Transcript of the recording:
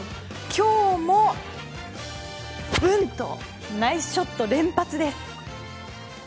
今日もナイスショット連発です。